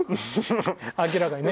明らかにね。